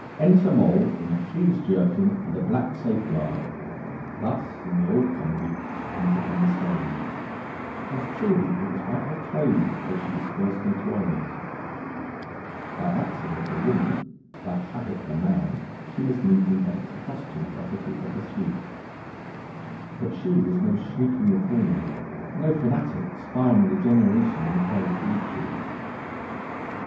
'Enter Moll in a frieze jerkin and a black safeguard.' Thus in the old comedy she comes upon the stage; and truly it was by her clothes that she was first notorious. By accident a woman, by habit a man, she must needs invent a costume proper to her pursuits. But she was no shrieking reformer, no fanatic spying regeneration in a pair of breeches.